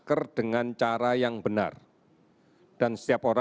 began dengan performa yang mendengar ayam jepang pada masyarakat dan negara